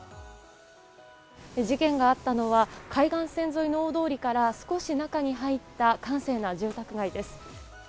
事件があったのは、海外線沿いの大通りから少し中に入った閑静な住宅街です。